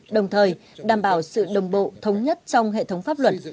đồng thời đảm bảo sự đồng bộ thống nhất trong hệ thống pháp luật